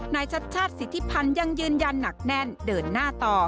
ชัดชาติสิทธิพันธ์ยังยืนยันหนักแน่นเดินหน้าต่อ